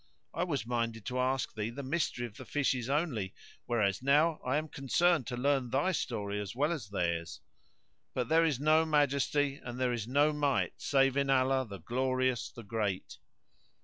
I was minded to ask thee the mystery of the fishes only: whereas now I am concerned to learn thy story as well as theirs. But there is no Majesty and there is no Might save in Allah, the Glorious, the Great!